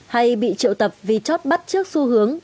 hay bị triệu tập vì chót bắt trước xu hướng